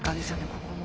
ここも。